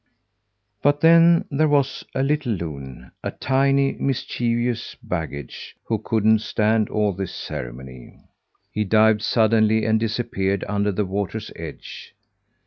But then there was a little loon a tiny mischievous baggage who couldn't stand all this ceremony. He dived suddenly, and disappeared under the water's edge.